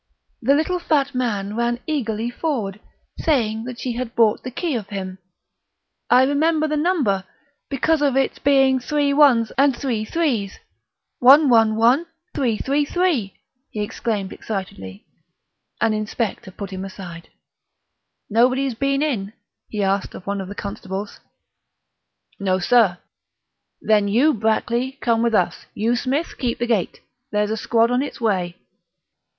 The little fat man ran eagerly forward, saying that she had bought the key of him. "I remember the number, because of it's being three one's and three three's 111333!" he exclaimed excitedly. An inspector put him aside. "Nobody's been in?" he asked of one of the constables. "No, sir." "Then you, Brackley, come with us; you, Smith, keep the gate. There's a squad on its way."